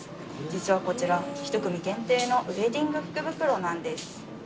実はこちら、１組限定のウエディング福袋なんです。